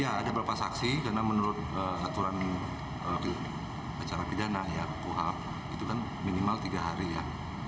ya ada beberapa saksi karena menurut aturan acara pidana ya kuhap itu kan minimal tiga hari ya